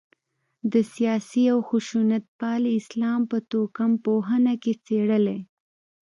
د سیاسي او خشونتپالي اسلام په توکم پوهنه کې څېړلای.